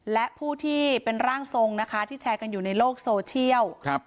และผู้ที่เป็นร่างทรงนะคะที่แชร์กันอยู่ในโลกโซเชียล